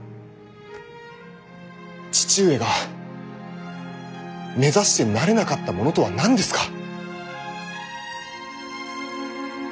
父上が目指してなれなかったものとは何ですか。